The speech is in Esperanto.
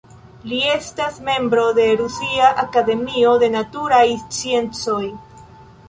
Li estas membro de Rusia Akademio de Naturaj Sciencoj.